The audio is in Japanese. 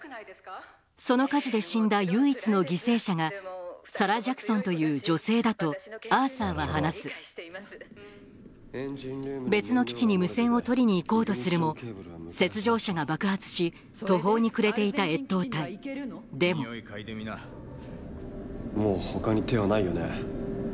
その火事で死んだ唯一の犠牲者がサラ・ジャクソンという女性だとアーサーは話す別の基地に無線を取りに行こうとするも雪上車が爆発し途方に暮れていた越冬隊でももう他に手はないよね？